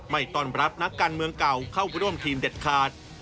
ไม่ต้อนรับนักการเมืองเก่าเข้าร่วมทีมเด็ดขาด